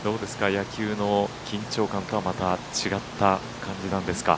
野球の緊張感とはまた違った感じなんですか？